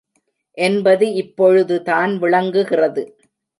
என்பது இப்பொழுது தான் விளங்குகிறது.